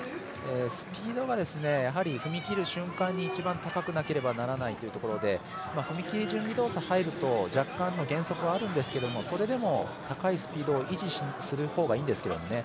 スピードがやはり、踏み切る瞬間に一番高くなければならないということで踏み切り準備動作、入ると若干の減速はあるんですけどそれでも高いスピードを維持する方がいいんですけどね。